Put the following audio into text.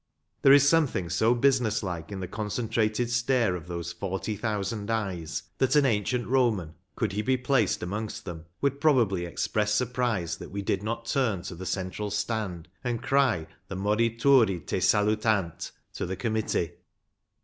There is something so business like in the concentrated stare of those forty thousand eyes, that an ancient Roman, could he be placed amongst them, would probably express surprise that we did not turn to the central stand and cry the " Morituri te salutant " to the com mittee.